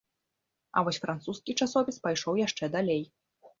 А вось французскі часопіс пайшоў яшчэ далей.